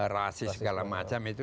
rasis segala macam itu